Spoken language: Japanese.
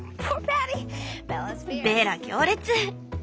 ベラ強烈！